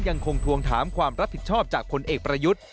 ทวงถามความรับผิดชอบจากผลเอกประยุทธ์